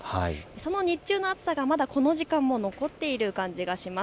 その日中の暑さがまだこの時間も残っている感じがします。